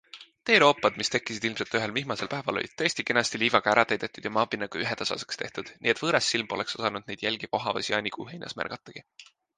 Teeroopad, mis tekkisid ilmselt ühel vihmasel päeval, olid tõesti kenasti liivaga ära täidetud ja maapinnaga ühetasaseks tehtud, nii et võõras silm poleks osanud neid jälgi vohavas jaanikuu heinas märgatagi.